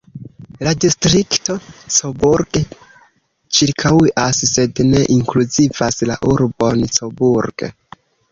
La distrikto Coburg ĉirkaŭas, sed ne inkluzivas la urbon Coburg.